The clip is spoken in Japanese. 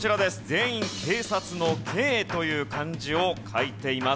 全員警察の「警」という漢字を書いています。